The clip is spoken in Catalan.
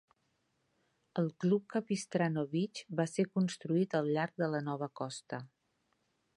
El club Capistrano Beach va ser construït al llarg de la nova costa.